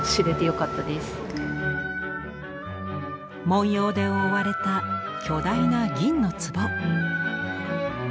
文様で覆われた巨大な銀の壺。